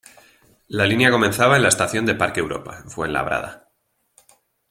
La línea comenzaba en la Estación de Parque Europa, en Fuenlabrada.